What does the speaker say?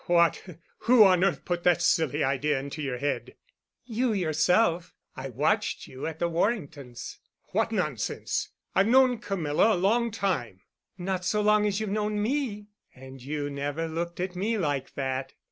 "What—who on earth put that silly idea into your head?" "You—yourself. I watched you at the Warringtons." "What nonsense! I've known Camilla a long time." "Not so long as you've known me. And you never looked at me like that."